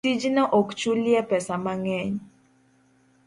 tijno ok chulye pesa mang'eny.